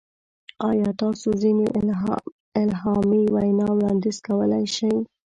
ایا تاسو ځینې الهامي وینا وړاندیز کولی شئ؟